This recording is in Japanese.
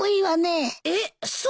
えっそう？